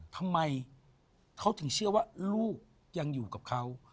ทำไมเขาถึงเชื่อว่าลูกยังอยู่กับเขา